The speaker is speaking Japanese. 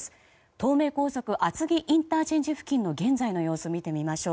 東名高速厚木ＩＣ付近の現在の様子を見てみましょう。